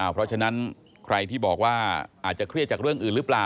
เพราะฉะนั้นใครที่บอกว่าอาจจะเครียดจากเรื่องอื่นหรือเปล่า